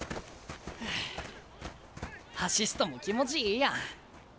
ふうアシストも気持ちいいやん。